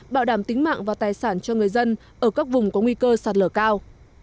bảo đảm tính mạng và tài sản cho người dân ở các vùng có nguy cơ sạt lở cao